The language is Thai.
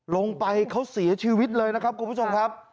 ลงไปเขาเสียชีวิตเลยนะครับคุณผู้ชมครับ